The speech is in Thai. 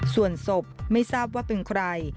ส่วนศพไม่ทราบว่าเป็นใคร